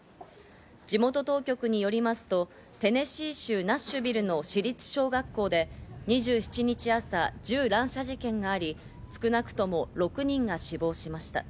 地元当局によりますとテネシー州ナッシュビルの私立小学校で、２７日朝、銃乱射事件があり、少なくとも６人が死亡しました。